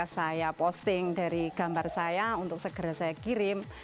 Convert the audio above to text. saya posting dari gambar saya untuk segera saya kirim